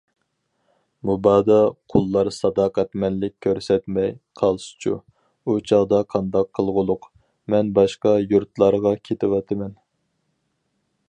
مۇبادا قۇللار ساداقەتمەنلىك كۆرسەتمەي قالسىچۇ، ئۇ چاغدا قانداق قىلغۇلۇق؟ مەن باشقا يۇرتلارغا كېتىۋاتىمەن.